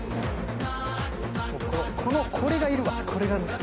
このこれがいるわこれがね